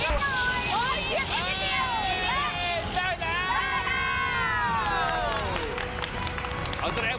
เลยเปิดข้าวอีกสิ่งเดียว